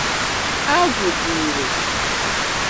Agwụ dị ìrè